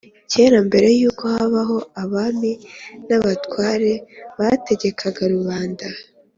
kera mbere y’uko habaho abami n’abatware bategeka rubanda.